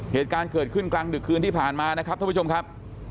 เหตุการณ์เกิดขึ้นกลางดึกคืนที่ผ่านมานะครับท่านผู้ชมครับ